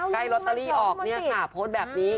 ใกล้ลอตเตอรี่ออกเนี่ยค่ะโพสต์แบบนี้